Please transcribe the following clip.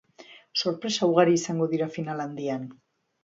Sorpresa ugari izango dira final handian.